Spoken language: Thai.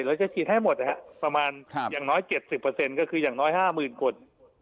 เราจะฉีดให้หมดนะครับประมาณอย่างน้อย๗๐ก็คืออย่างน้อย๕๐๐๐คน